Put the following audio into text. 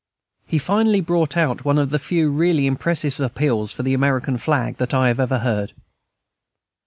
He finally brought out one of the few really impressive appeals for the American flag that I have ever heard.